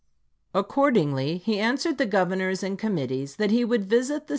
Accordingly, he answered the Gov ernors and committees that he would visit the Vol.